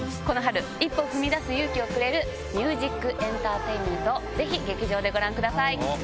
この春一歩を踏み出す勇気をくれるミュージックエンターテインメントをぜひ劇場でご覧ください。